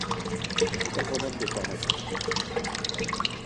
Il est agronome de formation.